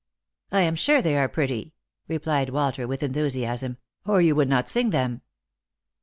" I am sure they are pretty," replied Walter with enthusiasm; " or you would not sing them."